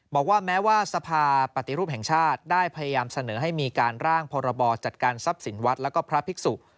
บอกว่าแม้ว่าสภาปฏิรูปแห่งชาติได้พยายามเสนอให้มีการร่างพรบจัดการทรัพย์สินวัดแล้วก็พระภิกษุ